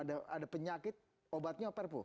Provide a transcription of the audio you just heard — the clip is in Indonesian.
ada penyakit obatnya perpu